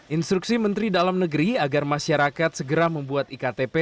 instruksi menteri dalam negeri agar masyarakat segera membuat iktp